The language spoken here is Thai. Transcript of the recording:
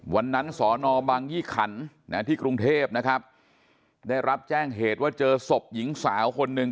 วันนั้นสอนอบังยี่ขันที่กรุงเทพนะครับได้รับแจ้งเหตุว่าเจอศพหญิงสาวคนหนึ่ง